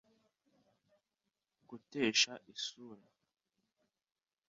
gutesha isura